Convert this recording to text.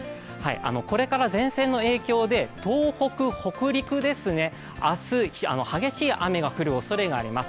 これから前線の影響で東北、北陸、明日、激しい雨が降るおそれがあります。